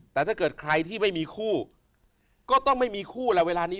แต่ถ้าเกิดใครที่ไม่มีคู่ก็ต้องไม่มีคู่แล้วเวลานี้